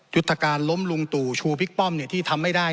ยุทธการล้มลุงตู่ชูบิ๊กป้อมที่ทำไม่ได้